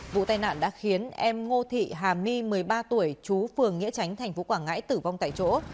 vụ tai nạn đã khiến em ngô thị hà my một mươi ba tuổi chú phường nghĩa tránh thành phố quảng ngãi tử vong tại chỗ